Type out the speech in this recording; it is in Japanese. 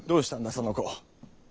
その子。